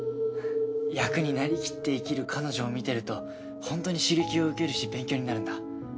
役になりきって生きる彼女を見てるとホントに刺激を受けるし勉強になるんだ。